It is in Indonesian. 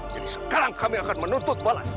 jadi sekarang kami akan menuntut balas